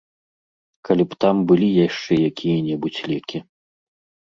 Калі б там былі яшчэ якія-небудзь лекі.